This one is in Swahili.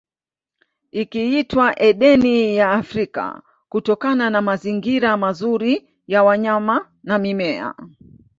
Ikiitwa Edeni ya Afrika kutokana na mazingira mazuri ya wanyama na mimea